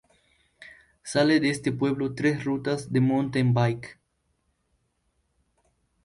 Sale de este pueblos tres rutas de Mountain Bike.